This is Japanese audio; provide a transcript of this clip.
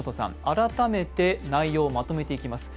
改めて内容をまとめていきます。